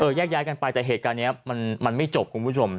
แยกย้ายกันไปแต่เหตุการณ์นี้มันไม่จบคุณผู้ชม